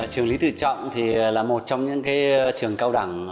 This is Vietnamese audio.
trường lý tử trọng là một trong những trường cao đẳng